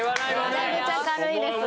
めちゃくちゃ軽いですが。